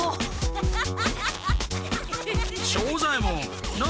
アハハハハ！